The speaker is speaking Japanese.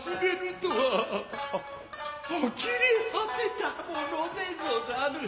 ハハハあきれ果てたものでござる。